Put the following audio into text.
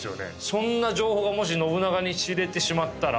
そんな情報がもし信長に知れてしまったら。